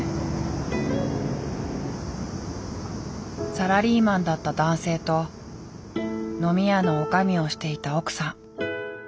サラリーマンだった男性と飲み屋のおかみをしていた奥さん。